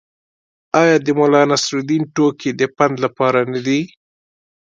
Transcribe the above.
آیا د ملانصرالدین ټوکې د پند لپاره نه دي؟